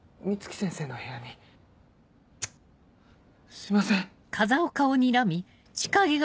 すいません！